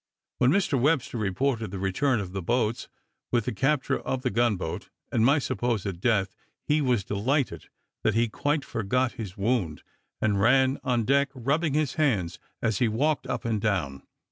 When Mr Webster reported the return of the boats, with the capture of the gun boat, and my supposed death, he was delighted, that he quite forgot his wound, and ran on deck, rubbing his hands as he walked up and down.